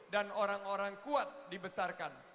orang orang kuat dibesarkan